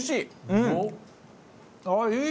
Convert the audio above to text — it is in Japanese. ああいい！